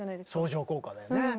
相乗効果だよね。